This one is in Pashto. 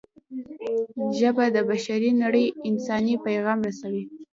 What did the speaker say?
ژبه د بشري نړۍ انساني پیغام رسوي